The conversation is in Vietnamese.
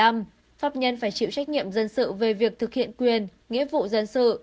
pháp nhân phải chịu trách nhiệm dân sự về việc thực hiện quyền nghĩa vụ dân sự